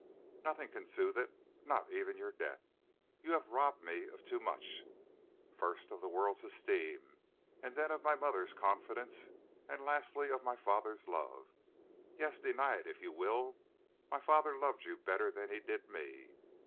"'Nothing can soothe it, not even your death! You have robbed me of too much. First, of the world's esteem, then of my mother's confidence, and, lastly, of my father's love. Yes; deny it if you will, my father loved you better than he did me.